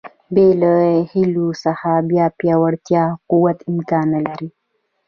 بې له هیلو څخه بیا پیاوړتیا او قوت امکان نه لري.